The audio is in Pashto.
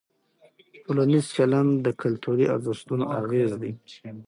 ټولنیز چلند د کلتوري ارزښتونو اغېز دی.